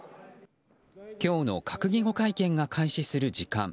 今日の閣議後会見が開始する時間。